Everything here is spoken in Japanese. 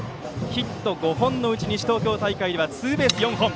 ヒット５本のうち西東京大会ではツーベース４本。